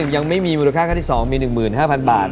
ยังไม่มีมูลค่าขั้นที่๒มี๑๕๐๐บาท